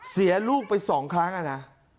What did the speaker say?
เสียลูกไป๒ครั้งอะนะ